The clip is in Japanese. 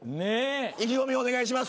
意気込みお願いします。